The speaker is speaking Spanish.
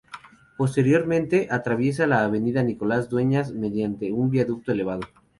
Posteriormente, atraviesa la avenida Nicolás Dueñas mediante un viaducto elevado.